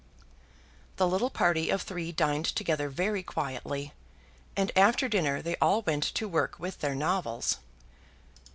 The little party of three dined together very quietly, and after dinner they all went to work with their novels.